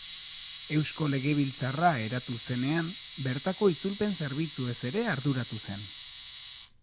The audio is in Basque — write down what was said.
Eusko Legebiltzarra eratu zenean, bertako itzulpen-zerbitzuez ere arduratu zen.